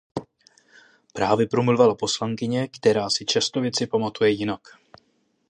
Právě promluvila poslankyně, která si často věci pamatuje jinak.